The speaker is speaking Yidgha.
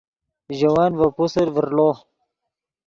ژے ون ڤے پوسر ڤرڑو